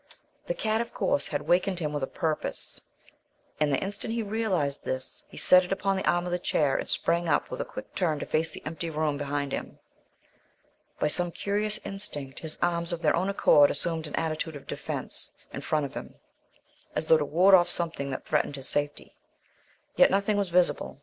The cat, of course, had wakened him with a purpose, and the instant he realized this, he set it upon the arm of the chair and sprang up with a quick turn to face the empty room behind him. By some curious instinct, his arms of their own accord assumed an attitude of defence in front of him, as though to ward off something that threatened his safety. Yet nothing was visible.